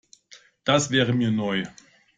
Das wäre mir neu.